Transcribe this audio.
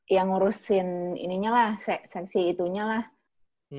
yang ngurusin ininya lah seksi itunya lah gitu kan